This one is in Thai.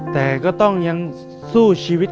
แต่ก็ต้องยังสู้ชีวิต